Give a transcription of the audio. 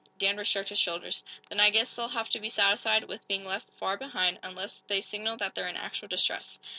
Danvers shrugged his shoulders. "Then I guess they'll have to be satisfied with being left far behind, unless they signal that they're in actual distress."